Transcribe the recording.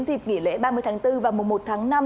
dịp nghỉ lễ ba mươi tháng bốn và mùa một tháng năm